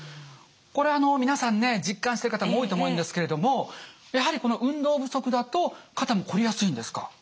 これあの皆さんね実感してる方も多いと思うんですけれどもやはりこの運動不足だと肩もこりやすいんですか？